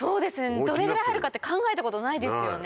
どれぐらい入るかって考えたことないですよね。